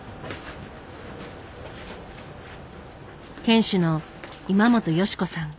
店主の今本義子さん。